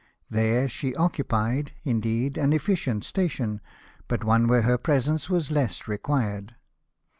There she occupied, indeed, an efficient station, but one where her presence was less required.